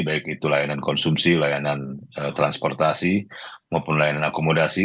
baik itu layanan konsumsi layanan transportasi maupun layanan akomodasi